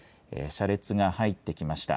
車列が入ってきました。